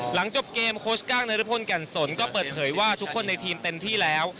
หลังจบเกมโค้ชก้างนรพลแก่นสนก็เปิดเผยว่าทุกคนในทีมเต็มที่แล้ว